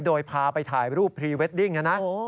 โดยพาไปถ่ายรูปพรีเวดดิ้งนะ